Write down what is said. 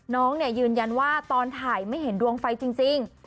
น้องยืนยันว่าตอนถ่ายไม่เห็นดวงไฟจริง